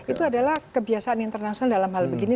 itu adalah kebiasaan internasional dalam hal begini